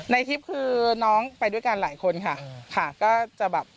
ในคลิปคือน้องไปด้วยกันหลายคนค่ะก็จะแบบ